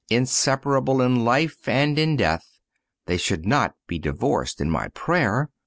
Inseparable in life and in death, they should not be divorced in my prayer.